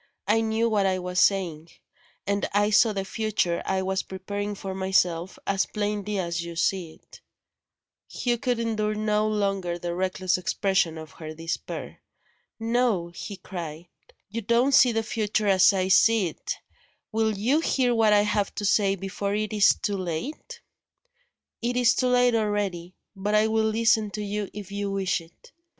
I knew what I was saying; and I saw the future I was preparing for myself, as plainly as you see it " Hugh could endure no longer the reckless expression of her despair. "No!" he cried, "you don't see your future as I see it. Will you hear what I have to say, before it is too late?" "It is too late already. But I will listen to you if you wish it."